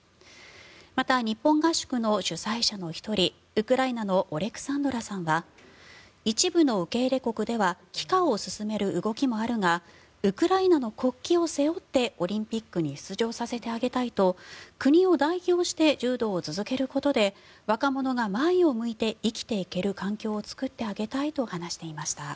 また、日本合宿の主催者の１人ウクライナのオレクサンドラさんは一部の受け入れ国では帰化を勧める動きもあるがウクライナの国旗を背負ってオリンピックに出場させてあげたいと国を代表して柔道を続けることで若者が前を向いて生きていける環境を作ってあげたいと話していました。